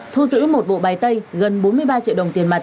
thu giữ một bộ bài tay gần bốn mươi ba triệu đồng tiền mặt